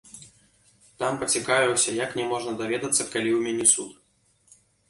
Там пацікавіўся, як мне можна даведацца, калі ў мяне суд?